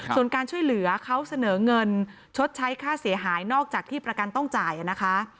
ส่วนการช่วยเหลือเขาเสนอเงินชดใช้ค่าเสียหายนอกจากที่ประกันต้องจ่ายนะคะ